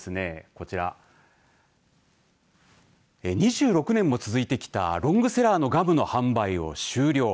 こちら２６年も続いてきたロングセラーのガムの販売を終了。